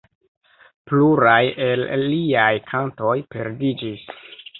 Pluraj el liaj kantoj perdiĝis.